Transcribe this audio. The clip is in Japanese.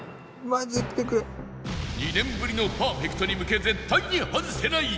２年ぶりのパーフェクトに向け絶対に外せない！